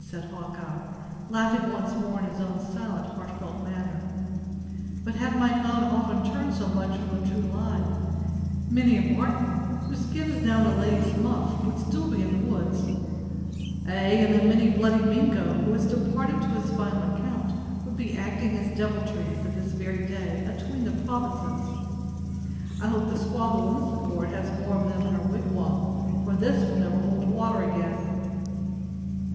said Hawkeye, laughing once more in his own silent, heartfelt manner; "but had my gun often turned so much from the true line, many a marten, whose skin is now in a lady's muff, would still be in the woods; ay, and many a bloody Mingo, who has departed to his final account, would be acting his deviltries at this very day, atween the provinces. I hope the squaw who owns the gourd has more of them in her wigwam, for this will never hold water again!"